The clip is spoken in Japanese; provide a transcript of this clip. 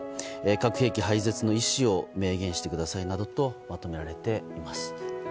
核兵器廃絶の意思を明言してくださいなどとまとめられています。